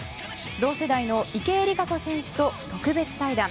同世代の池江璃花子選手と特別対談。